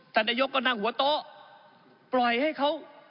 นายกก็นั่งหัวโต๊ะปล่อยให้เขา